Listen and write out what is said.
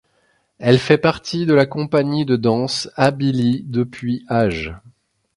Elle fait partie de la Compagnie de Danse Abby Lee depuis âge.